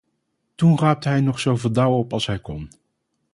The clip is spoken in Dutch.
Toen raapte hij nog zoveel dauw op als hij kon.